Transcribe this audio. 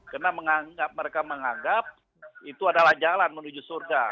karena mereka menganggap itu adalah jalan menuju surga